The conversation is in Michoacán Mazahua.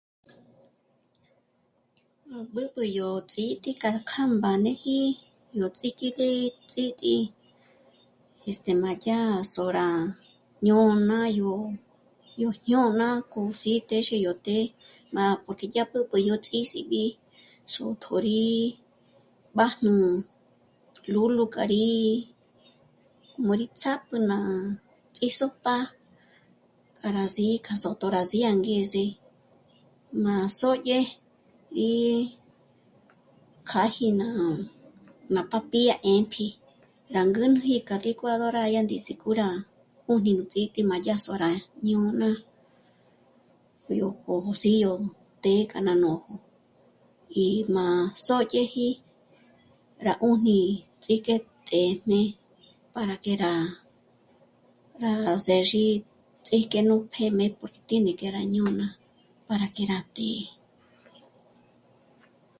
Nú b'ǚb'ü yó ts'íjkete kja mbáneji yó ts'ikite ts'íti este... má yá sôra ñôna yó... yó jñôna k'o sí téxi yó té'e má porque mí yá b'ǚb'ü k'o yó ts'ísibi zū̌tjo rí b'ájnú lúlu k'a rí m'ó'o rí ts'ájp'ü ná ts'ísopa k'a rá sí'i k'a sôto rá sí angeze, má sòdye y kjâji ná... ná papilla 'êmpji rá ngûnji k'a licuadora yá rá ndís'i k'u rá 'ùni ts'íti yá sô'o rá 'ùnü k'o yó k'o yó síyo të́'ë k'a ná nójo y má sòdyeji rá 'ùni ts'íjke té'm'e para que rá... së́zhi ts'íjke nú pé'm'e porque mí tíní que rá jñôna para que rá tí'i